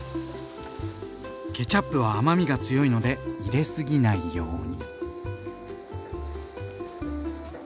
ケチャップは甘みが強いので入れすぎないように。